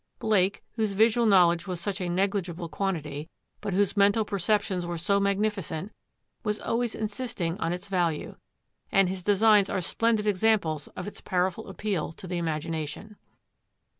Blake, whose visual knowledge was such a negligible quantity, but whose mental perceptions were so magnificent, was always insisting on its value. And his designs are splendid examples of its powerful appeal to the imagination.